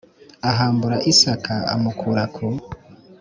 ahambura isaka amukura ku